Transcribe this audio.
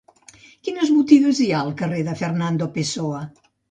Quines botigues hi ha al carrer de Fernando Pessoa?